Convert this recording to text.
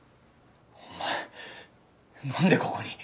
お前なんでここに！？